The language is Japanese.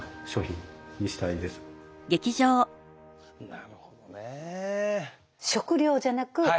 なるほどね。